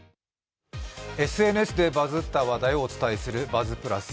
ＳＮＳでバズった話題をお伝えする「バズプラス」。